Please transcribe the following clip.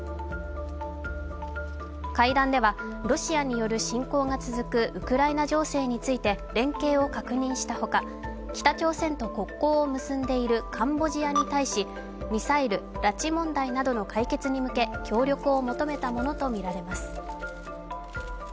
会談では、ロシアによる侵攻が続くウクライナ情勢について連携を確認した他、北朝鮮と国交を結んでいるカンボジアに対し、ミサイル・拉致問題などの解決に向け協力を求めたものとみられます。